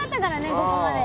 ここまで。